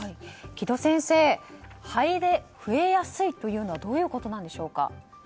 城戸先生、肺で増えやすいとはどういうことなんでしょうか。